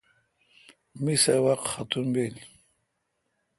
می سبق ختم بیل